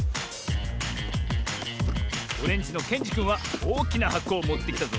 オレンジのけんじくんはおおきなはこをもってきたぞ。